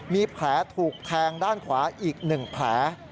มีแผลถูกแทงด้านขวาอีก๑แผล